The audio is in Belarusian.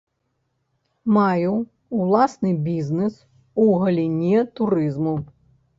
Маю ўласны бізнэс у галіне турызму.